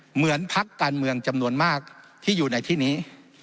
เหมือนพักการเมืองจำนวนมากที่อยู่ในที่นี้